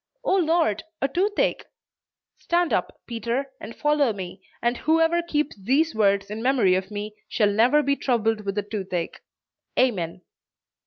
'Oh Lord, a toothache!' Stand up, Peter, and follow me; and whoever keeps these words in memory of me, shall never be troubled with a toothache, Amen."